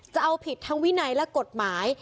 จะเอาผิดทั้งวินัยและกฎหมาย